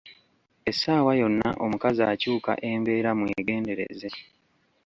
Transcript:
Essaawa yonna omukazi akyuka embeera mwegendereze.